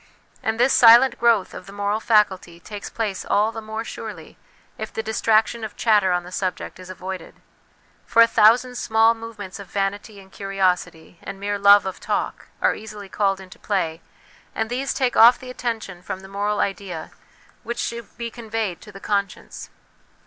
And this silent growth of the moral faculty takes place all the more surely if the distraction of chatter on the subject is avoided ; for a thousand small movements of vanity and curiosity and mere love of talk are easily called into play, and these take off the attention from the moral idea which should be conveyed to the 22 338 HOME EDUCATION conscience.